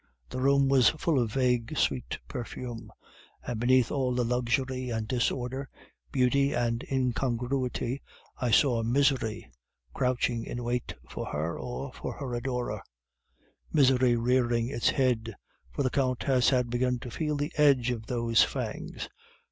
The room was full of vague sweet perfume. And beneath all the luxury and disorder, beauty and incongruity, I saw Misery crouching in wait for her or for her adorer, Misery rearing its head, for the Countess had begun to feel the edge of those fangs.